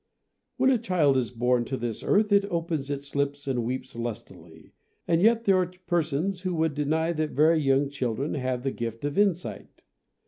When a child is born to this earth it opens its lips and weeps lustily ; and yet there are persons who would deny that very young children have the gift of insight.